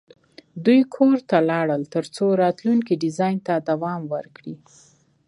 دوی کور ته لاړل ترڅو د راتلونکي ډیزاین ته دوام ورکړي